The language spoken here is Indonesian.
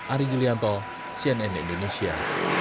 ari julianto cnn indonesia